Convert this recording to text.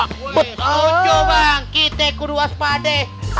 kau coba bang kita kuru waspada